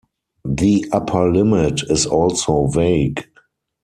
The upper limit is also vague.